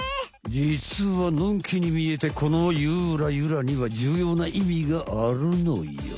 じつはのんきにみえてこのゆらゆらにはじゅうようないみがあるのよ。